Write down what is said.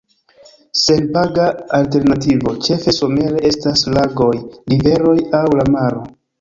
Senpaga alternativo, ĉefe somere estas lagoj, riveroj aŭ la maro.